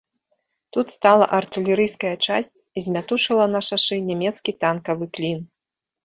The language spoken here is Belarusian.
Тут стала артылерыйская часць і змятушыла на шашы нямецкі танкавы клін.